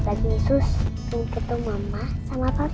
tadi sus menghitung mama sama papa